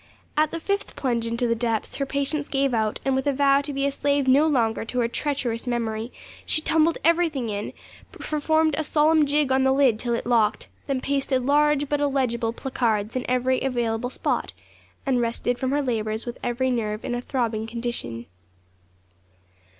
At the fifth plunge into the depths her patience gave out, and with a vow to be a slave no longer to her treacherous memory, she tumbled every thing in, performed a solemn jig on the lid till it locked, then pasted large, but illegible placards in every available spot, and rested from her labours with every nerve in a throbbing condition.